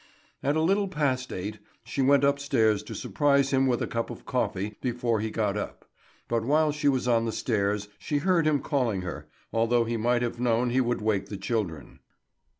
At a little past eight she went upstairs to surprise him with a cup of coffee before he got up; but while she was on the stairs she heard him calling her, although he might have known he would wake the children.